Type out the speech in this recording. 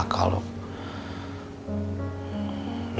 makanya saya kesini saya minta tolong sama dokter